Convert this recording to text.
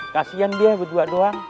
kasian dia berdua doang